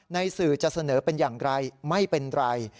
สื่อจะเสนอเป็นอย่างไรไม่เป็นไร